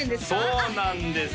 そうなんですよ